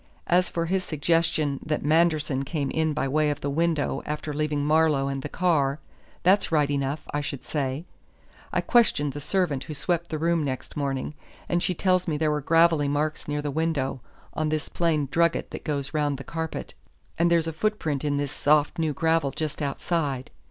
As for his suggestion that Manderson came in by way of the window after leaving Marlowe and the car, that's right enough, I should say. I questioned the servant who swept the room next morning, and she tells me there were gravelly marks near the window, on this plain drugget that goes round the carpet. And there's a footprint in this soft new gravel just outside."